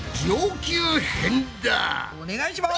お願いします！